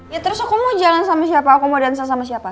ya terus aku mau jalan sama siapa aku mau dansa sama siapa